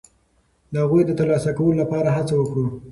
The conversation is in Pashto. د هغوی د ترلاسه کولو لپاره هڅه وکړو.